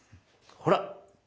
ほら。